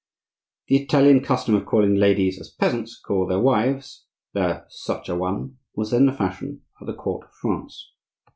The Italian custom of calling ladies, as peasants call their wives, "la Such a one" was then the fashion at the court of France.